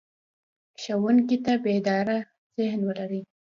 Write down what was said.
ښوونکی که بیداره ذهن ولري.